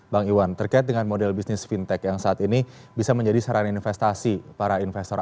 bang iwan terkait dengan model bisnis fintech yang saat ini bisa menjadi saran investasi para investor